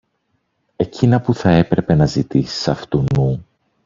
εκείνα που θα έπρεπε να ζητήσεις αυτουνού